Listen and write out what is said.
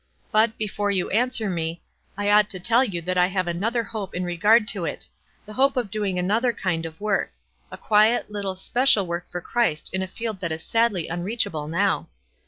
But, before you answer me, I ought to tell you that I have another hope in regard to it — the hope of doing another kind of work ; a quiet, little special work for Christ in a field that is sadly unreachable now."